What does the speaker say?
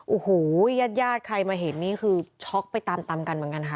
โอ้โหญาติญาติใครมาเห็นนี่คือช็อกไปตามตามกันเหมือนกันค่ะ